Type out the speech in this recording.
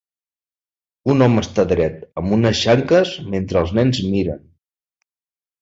Un home està dret amb unes xanques mentre els nens miren.